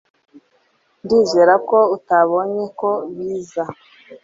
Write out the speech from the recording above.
Ndizera ko utabonye ko biza